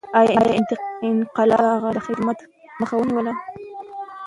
ایا انقلاب د هغه د خدمت مخه ونیوله؟